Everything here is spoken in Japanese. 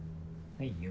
はいよ。